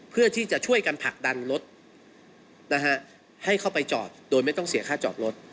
เพื่อที่จะช่วยกันผลักดันรถให้เข้าไปจอดโดยไม่ต้องเสียค่าจอดรถ